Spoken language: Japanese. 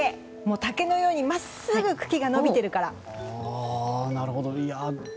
竹のように真っすぐ茎が伸びているから。